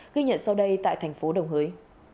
ghi nhận sau đây tại thành phố đồng hới